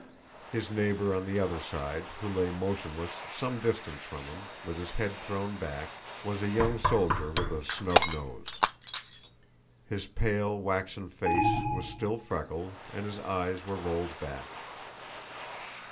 His neighbor on the other side, who lay motionless some distance from him with his head thrown back, was a young soldier with a snub nose. His pale waxen face was still freckled and his eyes were rolled back.